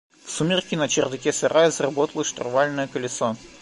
В сумерки на чердаке сарая заработало штурвальное колесо.